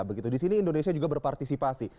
begitu di sini indonesia juga berpartisipasi